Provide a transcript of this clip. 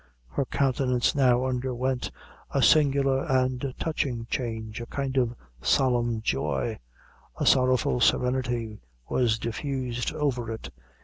Her countenance now underwent a singular and touching change a kind of solemn joy a sorrowful serenity was diffused over it.